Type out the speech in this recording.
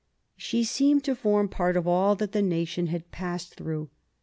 She seemed to form part of all that the nation had passed through.